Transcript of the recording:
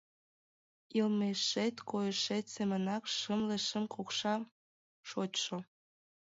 Йылмешет койышет семынак шымле шым кокша шочшо!